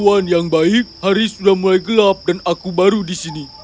dan yang baik hari sudah mulai gelap dan aku baru di sini